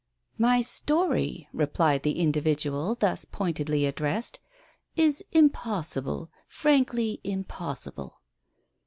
"My story," replied the individual thus pointedly addressed, "is impossible, frankly impossible."